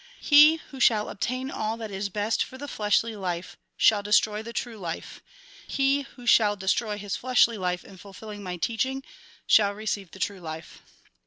He who shall obtain all that is best for the fleshly life, shall destroy the true life ; he who shall destroy his fleshly life in fulfilling my teaching, shall receive the true life."